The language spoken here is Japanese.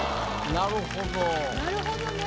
なるほどね。